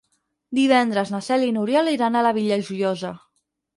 Divendres na Cel i n'Oriol iran a la Vila Joiosa.